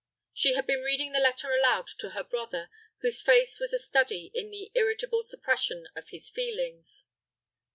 She had been reading the letter aloud to her brother, whose face was a study in the irritable suppression of his feelings.